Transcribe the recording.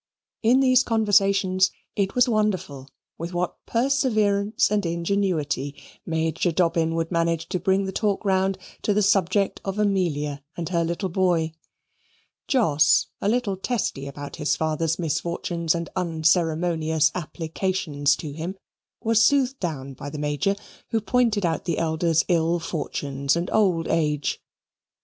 In these conversations it was wonderful with what perseverance and ingenuity Major Dobbin would manage to bring the talk round to the subject of Amelia and her little boy. Jos, a little testy about his father's misfortunes and unceremonious applications to him, was soothed down by the Major, who pointed out the elder's ill fortunes and old age.